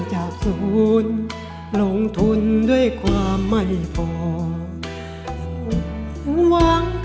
อยากแทนพี่กลัวเติบแทน